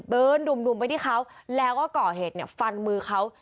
ดุ่มไปที่เขาแล้วก็ก่อเหตุฟันมือเขา